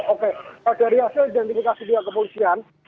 oke dari hasil identifikasi pihak kepolisian